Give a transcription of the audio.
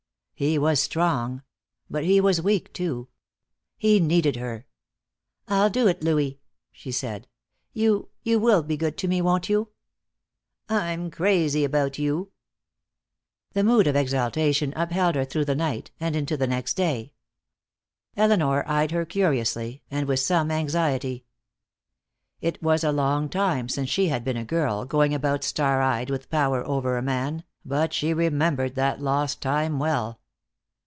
He was strong. But he was weak too. He needed her. "I'll do it, Louis," she said. "You you will be good to me, won't you?" "I'm crazy about you." The mood of exaltation upheld her through the night, and into the next day. Elinor eyed her curiously, and with some anxiety. It was a long time since she had been a girl, going about star eyed with power over a man, but she remembered that lost time well.